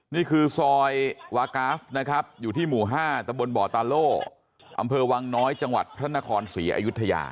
นี่คือซอยวากราฟนะครับอยู่ที่หมู่๕ตะบนบ่อตาโล่อำเภอวังน้อยจังหวัดพระนครศรีอยุธยา